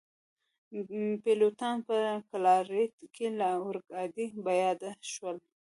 پیلوټان په ګالاریټ کي له اورګاډي پیاده شول.